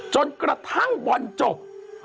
จนกระทั่งบอลจบ